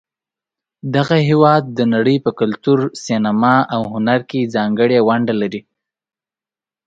دغه هېواد د نړۍ په کلتور، سینما، او هنر کې ځانګړې ونډه لري.